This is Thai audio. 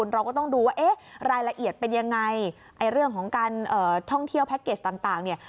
เราก็ต้องดูว่าเอ๊ะรายละเอียดเป็นยังไงไอ้เรื่องของการท่องเที่ยวแพ็คเกจต่างเนี่ย